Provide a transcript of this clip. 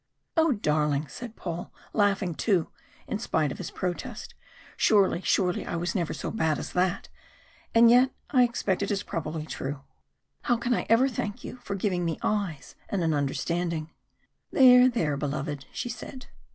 "Oh! darling!" said Paul, laughing too, in spite of his protest. "Surely, surely, I never was so bad as that and yet I expect it is probably true. How can I ever thank you enough for giving me eyes and an understanding?" "There there, beloved," she said.